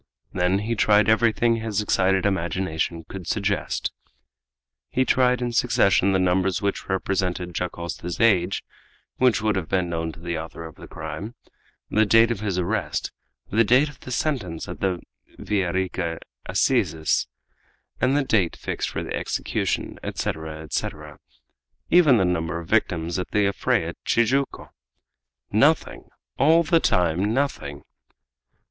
Then he tried everything his excited imagination could suggest. He tried in succession the numbers which represented Dacosta's age, which would have been known to the author of the crime, the date of his arrest, the date of the sentence at the Villa Rica assizes, the date fixed for the execution, etc., etc., even the number of victims at the affray at Tijuco! Nothing! All the time nothing!